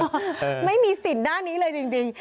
ไหนอ่ะไม่มีสินหน้านี้เลยจริง